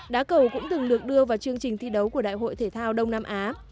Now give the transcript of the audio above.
đá cầu cũng từng được đưa vào chương trình thi đấu của đại hội thể thao đông nam á